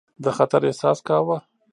د خطر احساس کاوه.